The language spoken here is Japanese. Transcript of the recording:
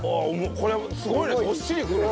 これすごいねどっしりくる。